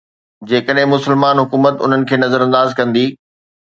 جيڪڏهن مسلمان حڪومت انهن کي نظرانداز ڪندي.